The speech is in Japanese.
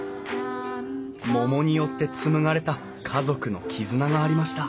桃によって紡がれた家族の絆がありました。